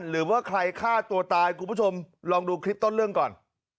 หรือว่าใครฆ่าตัวตายคุณผู้ชมลองดูคลิปต้นเรื่องก่อน